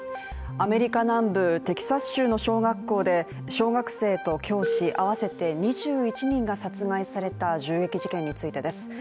アメリカ南部テキサス州の小学校で、小学生と教師あわせて２１人が殺害された銃撃事件についてです。